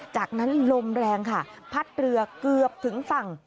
จากนั้นลมแรงค่ะพัดเรือเกือบถึงฝั่ง